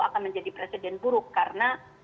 akan menjadi presiden buruk karena